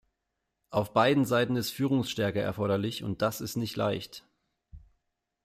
Auf beiden Seiten ist Führungsstärke erforderlich, und das ist nicht leicht.